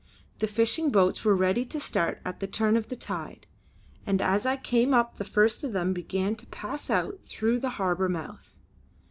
The fishing boats were ready to start at the turn of the tide; and as I came up the first of them began to pass out through the harbour mouth.